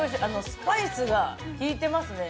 スパイスがきいてますね。